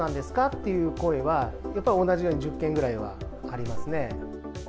っていう声は、やっぱり同じように１０件ぐらいはありますね。